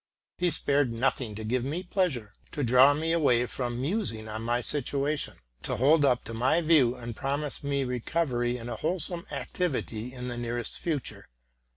He spared nothing to give me pleasure, to draw me away from musing on my situation, to hold up to my view and promise me recovery and a whole some activity in the nearest future.